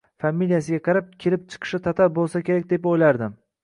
Familiyasiga qarab, kelib chiqishi tatar bo‘lsa kerak deb o‘ylardim.